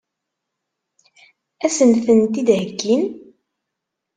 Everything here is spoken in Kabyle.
Ad sen-tent-id-heggin?